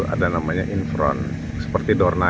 ada namanya infront seperti dorna